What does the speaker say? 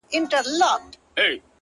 • چي لمن د شپې خورېږي ورځ تېرېږي ـ